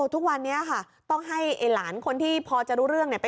ทุกวันนี้ค่ะต้องให้ไอ้หลานคนที่พอจะรู้เรื่องเนี่ย